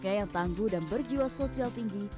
mereka yang tangguh dan berjiwa sosial tinggi